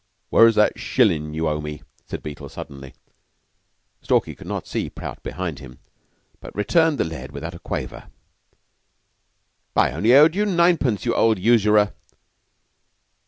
"Where's that shillin' you owe me?" said Beetle suddenly. Stalky could not see Prout behind him, but returned the lead without a quaver. "I only owed you ninepence, you old usurer."